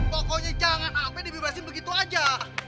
pokoknya jangan sampai dibebasin begitu aja